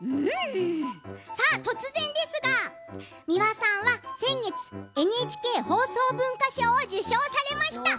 突然ですが美輪さんは先月ＮＨＫ放送文化賞を受賞されました。